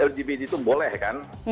lgbt itu boleh kan